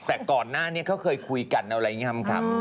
แต่ก่อนหน้านี้เขาเคยคุยกันอะไรงี้ทำคำ